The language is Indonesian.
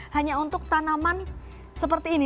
hanya untuk tanaman seperti ini